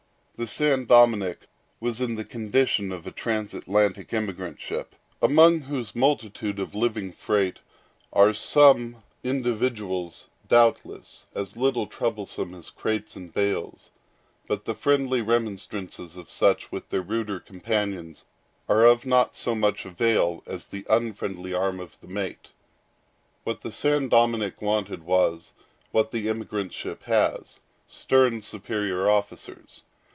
The San Dominick was in the condition of a transatlantic emigrant ship, among whose multitude of living freight are some individuals, doubtless, as little troublesome as crates and bales; but the friendly remonstrances of such with their ruder companions are of not so much avail as the unfriendly arm of the mate. What the San Dominick wanted was, what the emigrant ship has, stern superior officers.